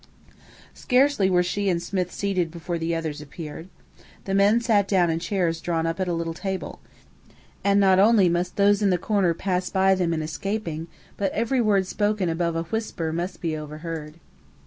Scarcely were she and Smith seated before the others appeared. The men sat down in chairs drawn up at a little table; and not only must those in the corner pass by them in escaping, but every word spoken above a whisper must be overheard.